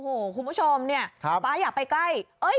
โอ้โหคุณผู้ชมเนี่ยป๊าอยากไปใกล้